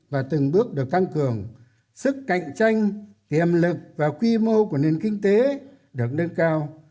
và từng bước được tăng cường sức cạnh tranh tiềm lực và quy mô của nền kinh tế được nâng cao